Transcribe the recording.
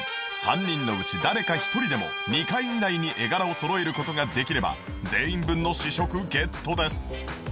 ３人のうち誰か１人でも２回以内に絵柄をそろえる事ができれば全員分の試食ゲットです